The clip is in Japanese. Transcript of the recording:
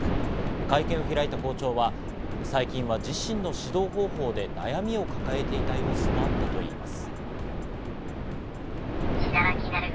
会見を開いた校長は最近は自身の指導方法で悩みを抱えていた様子もあったといいます。